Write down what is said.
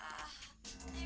ya yuk deh